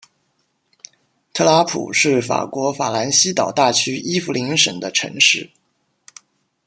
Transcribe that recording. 特拉普是法国法兰西岛大区伊夫林省的城市。